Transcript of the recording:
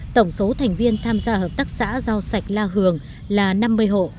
tổng số thành viên tham gia hợp tác xã rau sạch la hường là năm mươi hộ